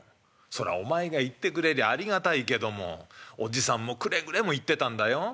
「そらお前が行ってくれりゃありがたいけどもおじさんもくれぐれも言ってたんだよ。